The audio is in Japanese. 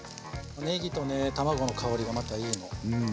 ねぎとね卵の香りがまたいいの。